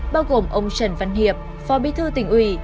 bao gồm ông trần văn hiệp phó bí thư tỉnh ủy